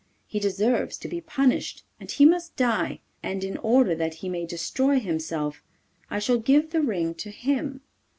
He deserves to be punished, and he must die; and in order that he may destroy himself, I shall give the ring to him.